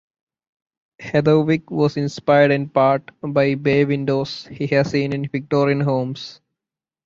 Heatherwick was inspired in part by bay windows he has seen in Victorian homes.